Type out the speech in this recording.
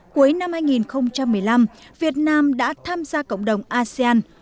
cuối năm hai nghìn một mươi năm việt nam đã tham gia cộng đồng asean